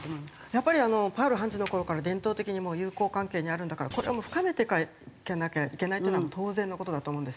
やっぱりパール判事の頃から伝統的に友好関係にあるんだからこれは深めていかなきゃいけないっていうのは当然の事だと思うんですね。